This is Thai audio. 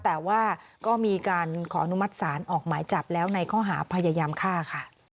แต่ว่าก็มีการขออนุมัติศาลออกหมายจับแล้วในข้อหาพยายามฆ่าค่ะ